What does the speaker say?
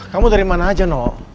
kamu dari mana aja no